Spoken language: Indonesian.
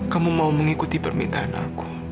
kamu mau mengikuti permintaan aku